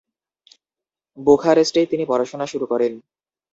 বুখারেস্টেই তিনি পড়াশোনা শুরু করেন।